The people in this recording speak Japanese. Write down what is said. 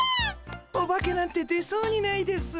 オバケなんて出そうにないです。